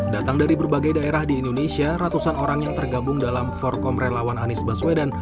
datang dari berbagai daerah di indonesia ratusan orang yang tergabung dalam forkom relawan anies baswedan